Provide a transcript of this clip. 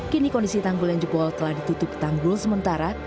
kini kondisi tanggul yang jebol telah ditutup tanggul sementara